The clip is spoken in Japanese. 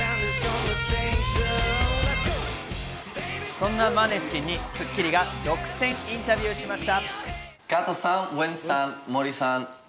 そんなマネスキンに『スッキリ』が独占インタビューしました。